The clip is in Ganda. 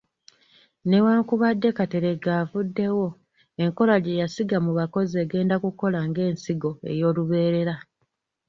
Newankubadde Kateregga avuddewo, enkola gye yasiga mu bakozi egenda kukola ng’ensigo ey’olubeerera.